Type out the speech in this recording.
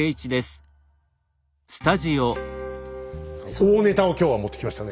大ネタを今日は持ってきましたね。